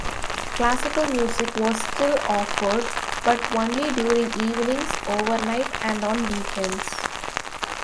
Classical music was still offered, but only during evenings, overnight and on weekends.